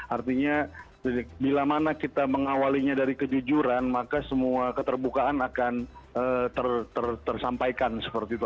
artinya bila mana kita mengawalinya dari kejujuran maka semua keterbukaan akan tersampaikan seperti itu